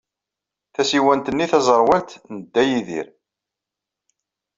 Tasiwant-nni taẓerwalt n Dda Yidir.